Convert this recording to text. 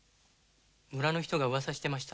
村の人がうわさしてました。